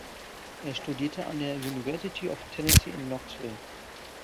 Er studierte an der University of Tennessee in Knoxville.